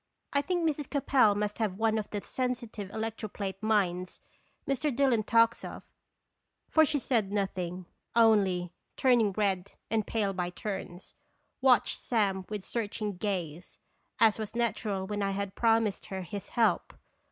1 think Mrs. Capel must have one of the sensitive electroplate minds Mr. Dillon talks of; for she said nothing, only, turning red and pale by turns, watched Sam with searching gaze, as was natural when I had promised her his help.